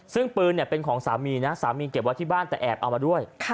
ซึ่งปืนเป็นของสามีนะสามีเก็บไว้ที่บ้านแต่แอบเอามาด้วย